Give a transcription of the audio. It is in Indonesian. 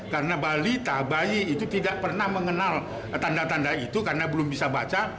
karena balita bayi itu tidak pernah mengenal tanda tanda itu karena belum bisa baca